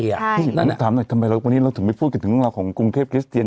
พี่หินต้องถามหน่อยทำไมวันนี้เราถึงไม่พูดถึงเรื่องของกรุงเทพคริสเตียน